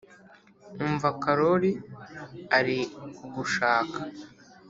umva karori ari kugushaka